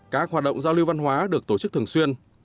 các hoạt động giao lưu văn hóa được tổ chức thường xuyên